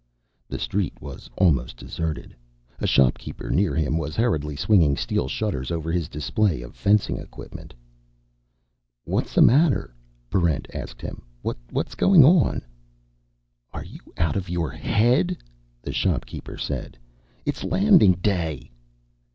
The street was almost deserted. A shopkeeper near him was hurriedly swinging steel shutters over his display of fencing equipment. "What's the matter?" Barrent asked him. "What's going on?" "Are you out of your head?" the shopkeeper said. "It's Landing Day!"